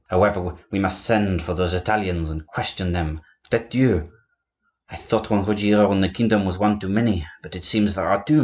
However, we must send for those Italians and question them. Tete Dieu! I thought one Ruggiero in the kingdom was one too many, but it seems there are two.